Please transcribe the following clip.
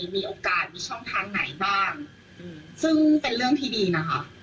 มีโอกาสมีช่องทางไหนบ้างซึ่งเป็นเรื่องที่ดีนะคะ